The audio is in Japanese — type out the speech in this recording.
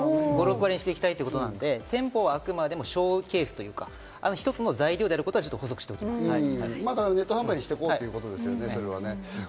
５６割にしていきたいということなので、店舗はあくまでもショーケース、一つの材料であることを補足しておきまネット販売していこうということですね。